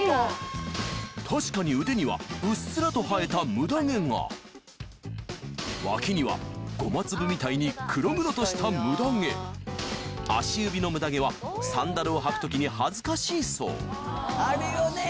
確かに腕にはうっすらと生えたムダ毛が脇にはゴマ粒みたいに黒々としたムダ毛足指のムダ毛はサンダルを履く時に恥ずかしいそうあるよね。